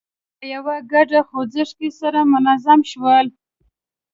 په یوه ګډ خوځښت کې سره منظم شول.